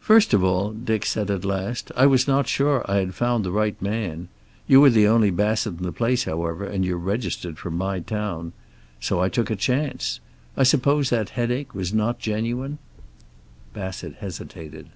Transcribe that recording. "First of all," Dick said, at last, "I was not sure I had found the right man. You are the only Bassett in the place, however, and you're registered from my town. So I took a chance. I suppose that headache was not genuine." Bassett hesitated.